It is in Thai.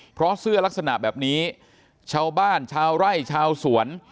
เพราะเสื้อลักษณะแบบนี้ชาวบ้านชาวไร่ชาวสวน